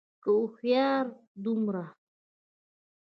که هوښيار دومره